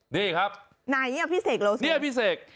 นี่ครับนี่พี่เศกนี่พี่เศก